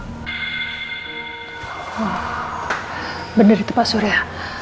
oh bener itu pak surya